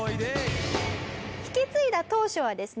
引き継いだ当初はですね